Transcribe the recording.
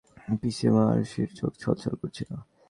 আমাকে বিদায় দিতে গিয়ে মাধবী পিসি এবং আরুশির চোখ ছলছল করছিল।